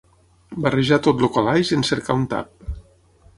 Barrejar tot el calaix en cercar un tap.